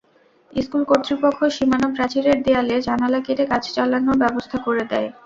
School কর্তৃপক্ষ সীমানা প্রাচীরের দেয়ালে জানালা কেটে কাজ চালানোর ব্যবস্থা করে দেয়।